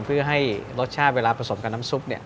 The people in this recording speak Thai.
เพื่อให้รสชาติเวลาผสมกับน้ำซุป